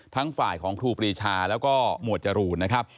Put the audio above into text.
ทั้งฝ่ายของครูปรีชาแล้วก็หมวดจรูนนะครับ